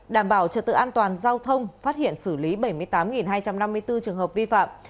đảm bảo trật tự an toàn giao thông phát hiện xử lý bảy mươi tám hai trăm năm mươi bốn trường hợp vi phạm